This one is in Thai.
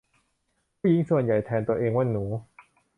ผู้หญิงส่วนใหญ่แทนตัวเองว่าหนู